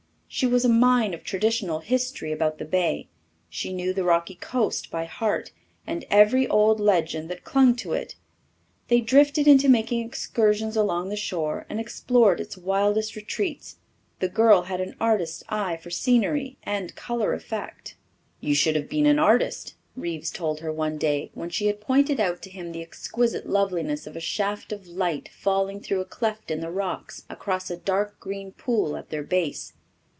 She was a mine of traditional history about the bay. She knew the rocky coast by heart, and every old legend that clung to it. They drifted into making excursions along the shore and explored its wildest retreats. The girl had an artist's eye for scenery and colour effect. "You should have been an artist," Reeves told her one day when she had pointed out to him the exquisite loveliness of a shaft of light falling through a cleft in the rocks across a dark green pool at their base.